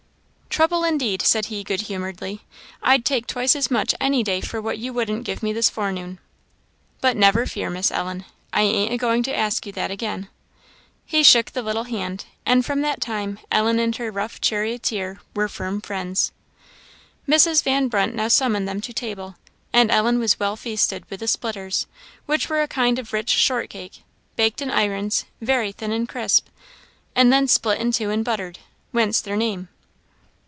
"Trouble, indeed!" said he, good humouredly, "I'd take twice as much any day for what you wouldn't give me this forenoon. But never fear, Miss Ellen, I ain't a going to ask you that again." He shook the little hand; and from that time Ellen and her rough charioteer were firm friends. Mrs. Van Brunt now summoned them to table; and Ellen was well feasted with the splitters, which were a kind of rich short cake, baked in irons, very thin and crisp, and then split in two and buttered whence their name.